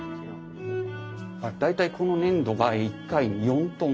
大体この粘土が１回に４トン。